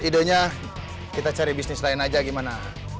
idenya kita cari bisnis lain aja gimana